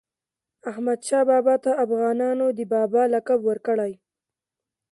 احمدشاه بابا ته افغانانو د "بابا" لقب ورکړی.